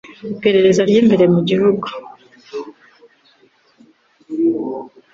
Iperereza ry'imbere mu gihugu,